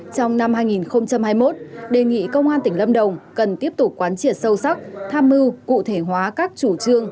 trong năm hai nghìn hai mươi một đề nghị công an tỉnh lâm đồng cần tiếp tục quán triệt sâu sắc tham mưu cụ thể hóa các chủ trương